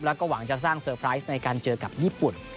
แล้วก็หวังจะสร้างเซอร์ไพรส์ในการเจอกับญี่ปุ่น